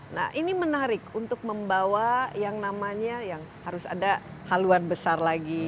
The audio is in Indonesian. nah ini menarik untuk membawa yang namanya yang harus ada haluan besar lagi